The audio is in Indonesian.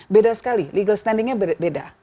beda sekali legal standingnya beda